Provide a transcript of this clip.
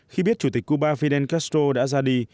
khi biết chủ tịch cuba fidel castro đã ra đi